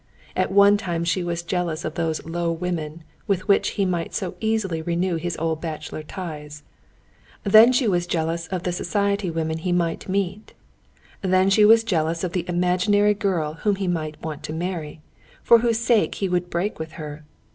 At one time she was jealous of those low women with whom he might so easily renew his old bachelor ties; then she was jealous of the society women he might meet; then she was jealous of the imaginary girl whom he might want to marry, for whose sake he would break with her.